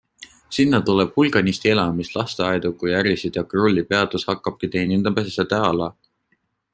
Sinna tuleb hulganisti elamist, lasteaedu kui ärisid ja Krulli peatus hakkabki teenindama seda ala.